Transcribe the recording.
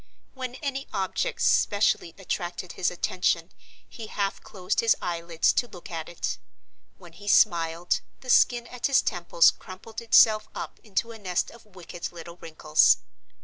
When any object specially attracted his attention he half closed his eyelids to look at it. When he smiled, the skin at his temples crumpled itself up into a nest of wicked little wrinkles.